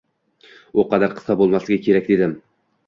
U qadar qisqa bo’lmasligi kerak dedim